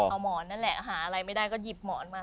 เอาหมอนนั่นแหละหาอะไรไม่ได้ก็หยิบหมอนมา